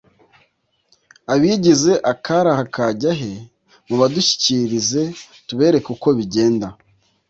abigize akari aha kajya he mubadushyikirize tubereke uko bigenda